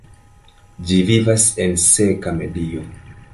Ĝi vivas en seka medio.